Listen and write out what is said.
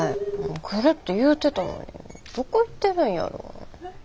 来るって言うてたのにどこ行ってるんやろ。